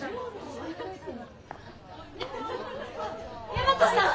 大和さん！